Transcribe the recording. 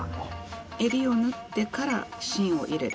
襟を縫ってから芯を入れる。